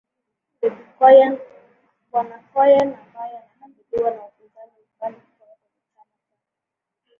bwana coyen ambaye anakabiliwa na upinzani mkali kutoka kwenye chama chake